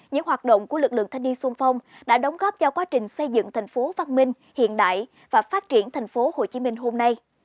những hoạt động của lực lượng thanh niên xung phong đã đóng góp cho quá trình xây dựng thành phố văn minh hiện đại và phát triển thành phố hồ chí minh hôm nay